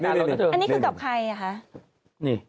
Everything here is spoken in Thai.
นี่